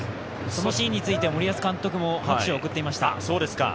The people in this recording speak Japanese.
このシーンについては森保監督も拍手を送っていました。